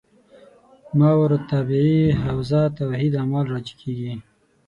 ماورا الطبیعي حوزه توحید اعمال راجع کېږي.